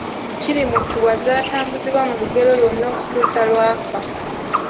Kirimuttu bw’azze atambuzibwa mu lugero lwonna okutuusa lw’afa.